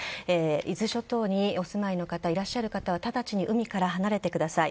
伊豆諸島にお住まいの方いらっしゃる方は直ちに海から離れてください。